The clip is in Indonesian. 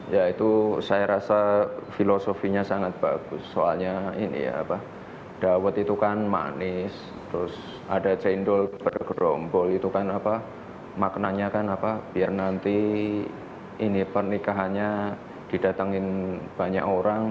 ya itu saya rasa filosofinya sangat bagus soalnya ini ya apa dawet itu kan manis terus ada cendol bergerombol itu kan apa maknanya kan apa biar nanti ini pernikahannya didatangin banyak orang